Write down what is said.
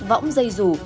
võng dây rủ